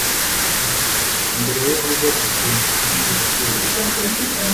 imbere ya yehova dusenga kandi twubaha